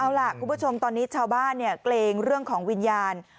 เอาล่ะคุณผู้ชมตอนนี้ชาวบ้านเนี่ยเกรงเรื่องของวิญญาณ